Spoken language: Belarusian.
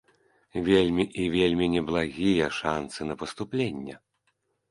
Вельмі і вельмі неблагія шанцы на паступленне.